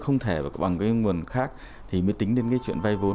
không thể và bằng cái nguồn khác thì mới tính đến cái chuyện vay vốn